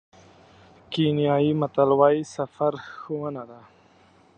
کینیايي متل وایي سفر ښوونه ده.